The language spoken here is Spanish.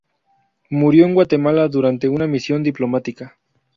Murió en Guatemala durante una misión diplomática.